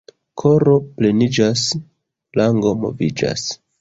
Koro pleniĝas — lango moviĝas.